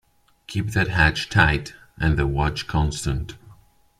Keep the hatch tight and the watch constant.